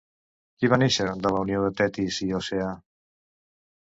Qui va néixer de la unió de Tetis i Oceà?